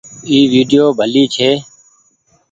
اي ويڊيو ڀلي ڇي۔